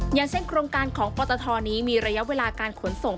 อย่างเช่นโครงการของปตทนี้มีระยะเวลาการขนส่ง